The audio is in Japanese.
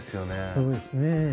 そうですね。